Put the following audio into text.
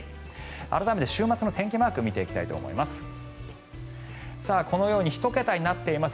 改めて週末の天気マークを見ていきたいと思います。